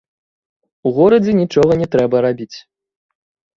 У горадзе нічога не трэба рабіць.